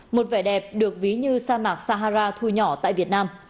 một vẻ đẹp được ví như sa mạc sahara thu nhỏ tại việt nam